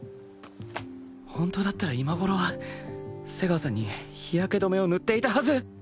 本当だったら今頃は瀬川さんに日焼け止めを塗っていたはず！